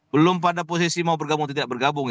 belum pada posisi mau bergabung